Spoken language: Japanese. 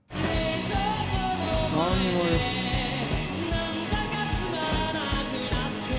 「なんだかつまらなくなって」